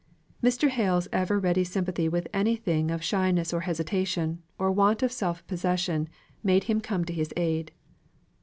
Mr. Hale's ever ready sympathy with anything of shyness or hesitation, or want of self possession, made him come to his aid.